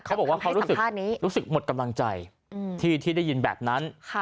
เขาบอกว่าเขารู้สึกหมดกำลังใจที่ได้ยินแบบนั้น